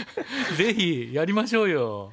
ぜひやりましょうよ。